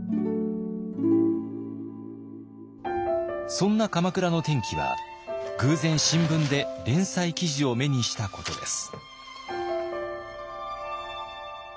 そんな鎌倉の転機は偶然新聞で連載記事を目にしたことです。